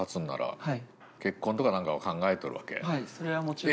それはもちろん。